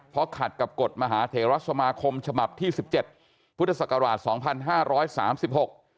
เพราะขัดกับกฎมหาเทรสมาคมฉมับที่๑๗พุทธศักราช๒๕๓๖